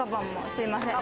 すいません。